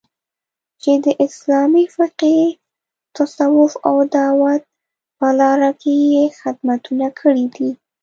چې د اسلامي فقې، تصوف او دعوت په لاره کې یې خدمتونه کړي دي